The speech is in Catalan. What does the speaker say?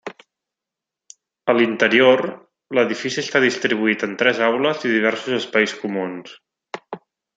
A l'interior, l'edifici està distribuït en tres aules i diversos espais comuns.